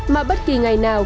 mà bất kỳ ngày nào